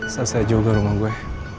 selesai juga rumah gue